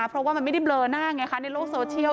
เพราะว่ามันไม่ได้เบลอหน้าไงคะในโลกโซเชียล